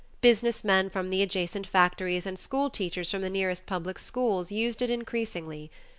Business men from the adjacent factories and school teachers from the nearest public schools, used it increasingly.